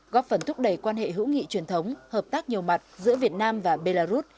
góp phần thúc đẩy quan hệ hữu nghị truyền thống hợp tác nhiều mặt giữa việt nam và belarus